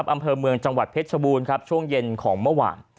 อำเภอเมืองจังหวัดเพชรชบูรณ์ครับช่วงเย็นของเมื่อวาน